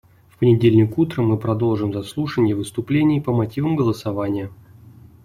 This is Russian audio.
В понедельник утром мы продолжим заслушание выступлений по мотивам голосования.